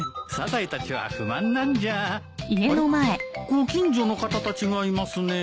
ご近所の方たちがいますね。